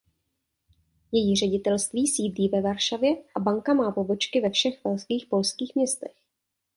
Její ředitelství sídlí ve Varšavě a banka má pobočky ve všech velkých polských městech.